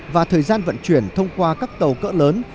và thời gian vận chuyển thông qua các tàu cỡ lớn